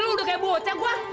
kalau udah kayak bocah gue